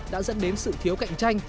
đã dẫn đến sự thiếu cạnh tranh